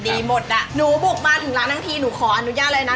ดีมดอะหนูบลุกมาถึงร้านที่หนูขออนุญาตเลยนะ